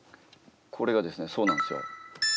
これがですねそうなんですよ。